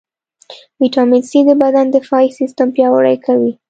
ويټامين C د بدن دفاعي سیستم پیاوړئ کوي.